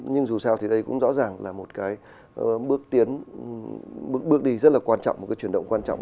nhưng dù sao thì đây cũng rõ ràng là một cái bước tiến bước đi rất là quan trọng một cái chuyển động quan trọng